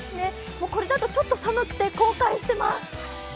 これだとちょっと寒くて、後悔しています。